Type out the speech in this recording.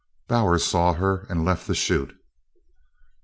Bowers saw her and left the chute.